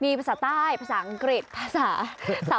มีภาษาใต้ภาษาอังกฤษภาษา